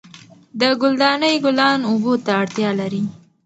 د ګل دانۍ ګلان اوبو ته اړتیا لري.